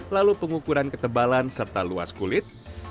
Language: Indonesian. lalu pengukuran ketebalan serta luas kulit